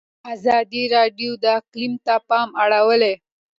ازادي راډیو د اقلیم ته پام اړولی.